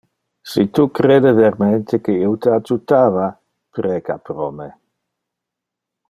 Si tu crede vermente que io te adjutava, preca pro me.